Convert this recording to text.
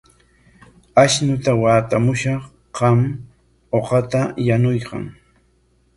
Ashnuta watamushaq, qam uqata yanuykan.